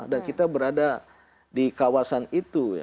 dan kita berada di kawasan itu